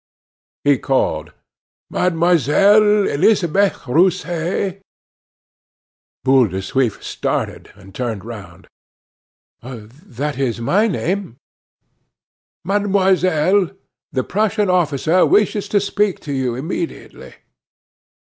He called: "Mademoiselle Elisabeth Rousset?" Boule de Suif started, and turned round. "That is my name." "Mademoiselle, the Prussian officer wishes to speak to you immediately."